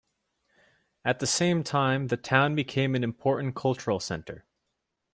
At the same time the town became an important cultural centre.